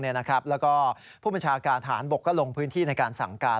แล้วก็ผู้บัญชาการฐานบกก็ลงพื้นที่ในการสั่งการ